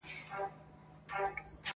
ځوان له ډيري ژړا وروسته څخه ريږدي~